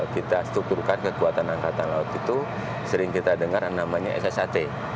kita strukturkan kekuatan angkatan laut itu sering kita dengar namanya ssat